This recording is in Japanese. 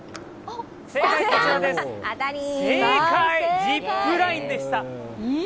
正解、ジップラインでした。